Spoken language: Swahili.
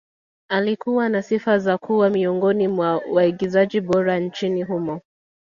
Alikuwa na sifa za kuwa miongoni mwa waigizaji bora nchini humo